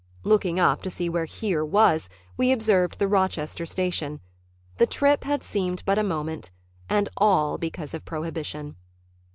Looking up to see where "here" was, we observed the Rochester station. The trip had seemed but a moment, and all because of Prohibition.